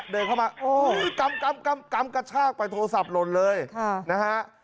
เดินเข้ามาโอ้ยกำกระชากไปโทรศัพท์หล่นเลยนะฮะ